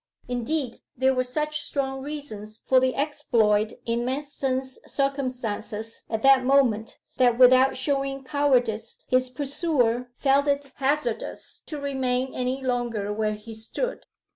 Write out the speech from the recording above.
Indeed, there were such strong reasons for the exploit in Manston's circumstances at that moment that without showing cowardice, his pursuer felt it hazardous to remain any longer where he stood.